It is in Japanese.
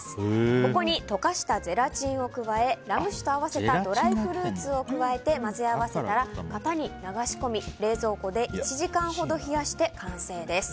ここに溶かしたゼラチンを加えラム酒と合わせたドライフルーツを加えて混ぜ合わせたら型に流し込み冷蔵庫で１時間ほど冷やして完成です。